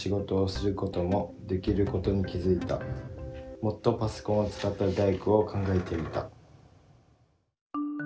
「もっとパソコンを使った大工を考えてみたい」。